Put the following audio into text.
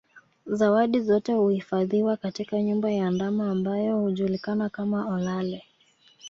Zawadi zote huhifadhiwa katika nyumba ya ndama ambayo hujulikana kama Olale